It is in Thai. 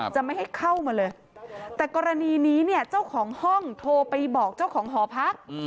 จะไม่ให้เข้ามาเลยแต่กรณีนี้เนี่ยเจ้าของห้องโทรไปบอกเจ้าของหอพัก